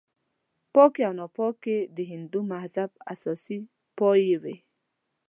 پاکي او ناپاکي د هندو مذهب اساسي پایې وې.